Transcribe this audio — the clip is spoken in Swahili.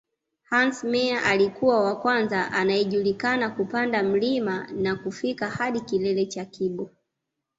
Hans Meyer alikuwa wa kwanza anayejulikana kupanda mlima na kufika hadi kilele cha Kibo